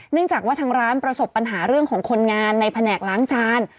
จากว่าทางร้านประสบปัญหาเรื่องของคนงานในแผนกล้างจาน